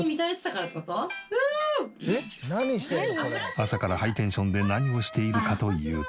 朝からハイテンションで何をしているかというと。